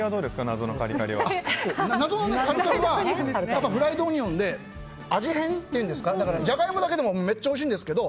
謎のカリカリはフライドオニオンで味変っていうんですかジャガイモだけでもめっちゃおいしいんですけど。